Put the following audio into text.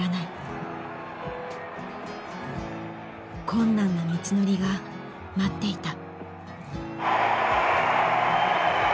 困難な道のりが待っていた。